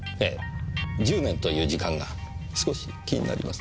１０年という時間が少し気になります。